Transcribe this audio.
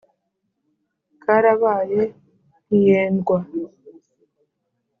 Karabaye ntiyendwa.